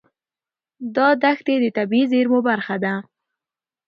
دا دښتې د طبیعي زیرمو برخه ده.